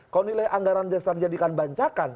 kalau nilai anggaran jasad jadikan bancakan